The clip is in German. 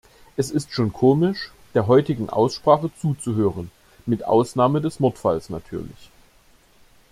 Es ist schon komisch, der heutigen Aussprache zuzuhören mit Ausnahme des Mordfalls natürlich.